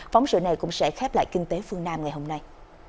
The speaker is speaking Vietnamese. phóng sự này cũng sẽ khép lại kinh tế phương nam ngày hôm nay